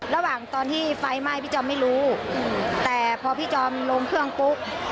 ระหว่างตอนที่ไฟไหม้พี่จอมไม่รู้แต่พอพี่จอมลงเครื่องปุ๊บ